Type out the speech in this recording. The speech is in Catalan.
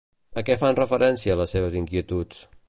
A què fan referència les seves inquietuds?